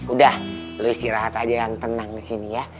udah lo istirahat aja yang tenang disini ya